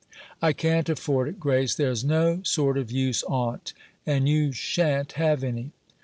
"I can't afford it, Grace there's no sort of use on't and you sha'n't have any."